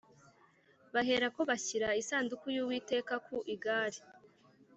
Baherako bashyira isanduku y’Uwiteka ku igare